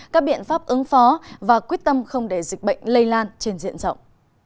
các biện pháp ứng phó và quyết tâm không để dịch bệnh lây lan trên diện rộng